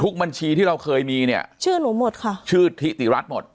บัญชีที่เราเคยมีเนี่ยชื่อหนูหมดค่ะชื่อทิติรัฐหมด